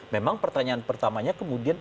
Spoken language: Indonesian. memang pertanyaan pertamanya kemudian